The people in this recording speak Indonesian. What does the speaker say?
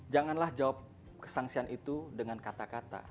janganlah jawab kesangsian itu dengan kata kata